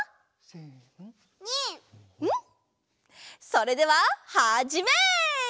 それでははじめい！